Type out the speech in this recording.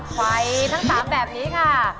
ไฟทั้ง๓แบบนี้ค่ะ